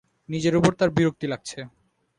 নিজের ওপর তাঁর বিরক্তি লাগছে।